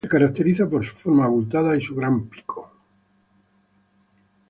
Se caracteriza por su forma abultada y su gran pico.